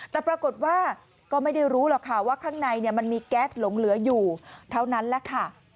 แต่ปรากฏว่าก็ไม่ได้รู้หรอกค่ะว่าข้างในมันมีแก๊สหลงเหลืออยู่เท่านั้นแหละค่ะ